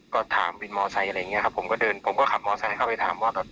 ก็ถามวินมอเตอร์ไซด์อะไรอย่างนี้ครับผมก็เดินผมก็ขับมอเตอร์ไซด์เข้าไปถามว่า